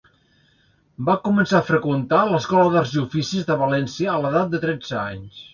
Va començar a freqüentar l'Escola d'Arts i Oficis de València a l'edat de tretze anys.